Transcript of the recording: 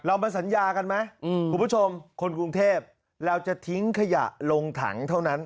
มาสัญญากันไหมคุณผู้ชมคนกรุงเทพเราจะทิ้งขยะลงถังเท่านั้น